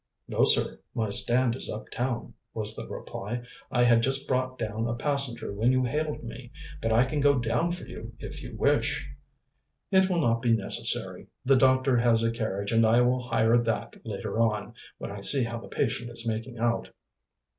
"No, sir; my stand is uptown," was the reply. "I had just brought down a passenger when you hailed me. But I can go down for you, if you wish." "It will not be necessary. The doctor has a carriage, and I will hire that later on, when I see how the patient is making out."